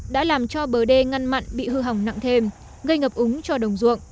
đã làm cho bờ đê ngăn mặn bị hư hỏng nặng thêm gây ngập úng cho đồng ruộng